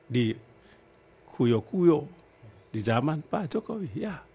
di kuyo kuyo di zaman pak jokowi